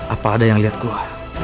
apa ada yang lihat gua